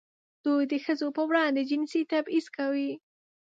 دوی د ښځو پر وړاندې جنسي تبعیض کوي.